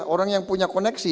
orang yang punya koneksi